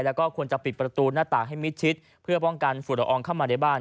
แล้วก็ควรจะปิดประตูหน้าต่างให้มิดชิดเพื่อป้องกันฝุ่นละอองเข้ามาในบ้าน